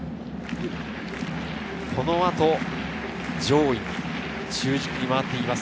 この後、上位に中軸に回っていきます。